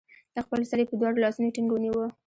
خپل سر يې په دواړو لاسونو ټينګ ونيوه